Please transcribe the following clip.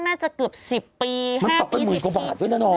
น่าจะเกือบ๑๐ปี๕ปี๑๐ปีมันตกไปหมื่นกว่าบาทด้วยนะน้อง